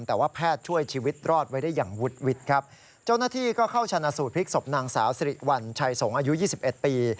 แต่ว่าแพทย์ช่วยชีวิตรอดไว้ได้อย่างวุดวิดครับเจ้าหน้าที่ก็เข้าชนะสูตรพลิกศพนางสาวสิริวัญชัยสงฆ์อายุยี่สิบเอ็ดปี